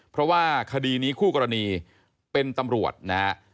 เพราะว่าคดีนี้คู่กรณีเป็นตำรวจนะฮะ